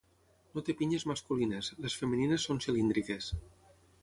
No té pinyes masculines, les femenines són cilíndriques.